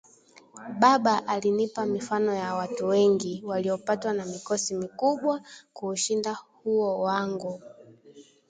Baba alinipa mifano ya watu wengi waliopatwa na mikosi mikubwa kuushinda huo wangu